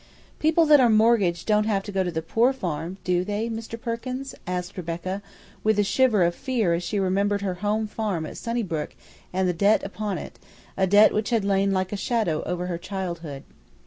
"People that are mortgaged don't have to go to the poor farm, do they, Mr. Perkins?" asked Rebecca, with a shiver of fear as she remembered her home farm at Sunnybrook and the debt upon it; a debt which had lain like a shadow over her childhood.